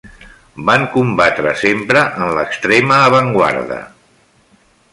Van combatre sempre en l'extrema avantguarda.